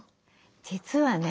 実はね